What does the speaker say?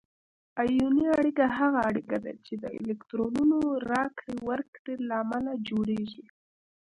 آیوني اړیکه هغه اړیکه ده چې د الکترونونو راکړې ورکړې له امله جوړیږي.